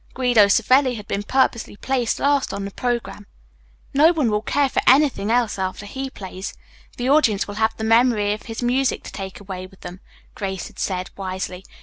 Guido Savelli had been purposely placed last on the programme. "No one will care for anything else after he plays. The audience will have the memory of his music to take away with them," Grace had said wisely.